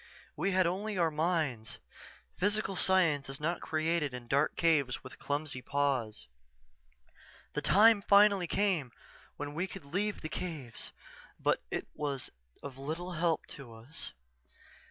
We had only our minds physical science is not created in dark caves with clumsy paws._ "_The time finally came when we could leave the caves but it was of little help to us.